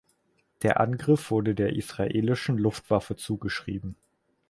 Der Angriff wurde der israelischen Luftwaffe zugeschrieben.